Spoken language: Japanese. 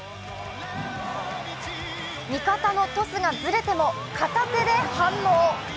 味方のトスがずれても、片手で反応。